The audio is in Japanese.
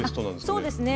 そうですね。